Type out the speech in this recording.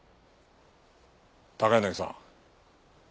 高柳さん。